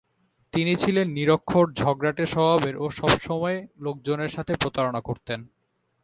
তিনি ছিলেন নিরক্ষর, ঝগড়াটে স্বভাবের ও সবসময় লোকজনের সাথে প্রতারনা করতেন।